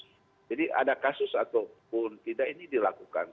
jadi ada kasus ataupun tidak ini dilakukan